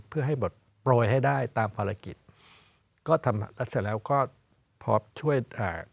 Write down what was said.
เพื่อให้บทโปรยให้ได้ตามภารกิจก็ทำแล้วเสร็จแล้วก็พอช่วยอ่า